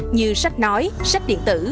như sách nói sách điện tử